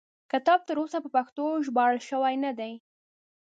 کتاب تر اوسه په پښتو ژباړل شوی نه دی.